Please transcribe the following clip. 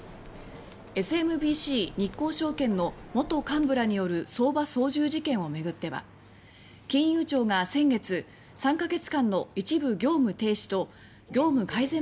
ＳＭＢＣ日興証券の元幹部らによる相場操縦事件をめぐっては金融庁が先月３カ月間の一部業務停止と業務改善命令を出しました。